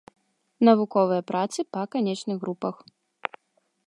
Навуковыя працы па канечных групах.